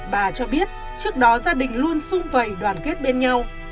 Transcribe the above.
bà cho biết trước đó gia đình luôn sung vầy đoàn kết bên nhau